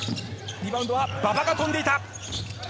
リバウンドは馬場が跳んでいた。